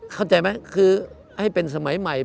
เข้าใจไหมคือให้เป็นสมัยใหม่